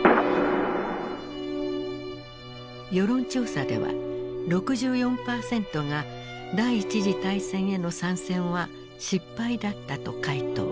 世論調査では６４％が第一次大戦への参戦は失敗だったと回答。